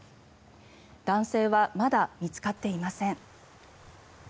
男性はまだ見つかっていません。